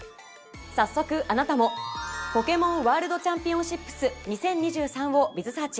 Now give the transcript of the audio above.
早速あなたもポケモンワールドチャンピオンシップス２０２３をｂｉｚｓｅａｒｃｈ。